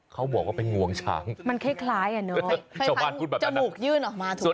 เขาบอกว่าเป็นงวงช้างมันคล้ายอ่ะเนอะชาวบ้านพูดแบบจมูกยื่นออกมาถูกไหม